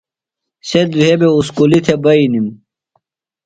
سےۡ دُھے بےۡ اُسکُلیۡ تھےۡ بئینِم۔